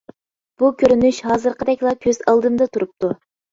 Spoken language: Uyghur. بۇ كۆرۈنۈش ھازىرقىدەكلا كۆز ئالدىمدا تۇرۇپتۇ.